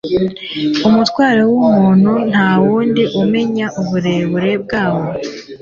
Umutwaro w’umuntu ntawundi umenya uburemere bwawo